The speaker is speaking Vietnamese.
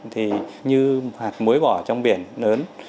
thì như hạt muối bỏ trong biển lớn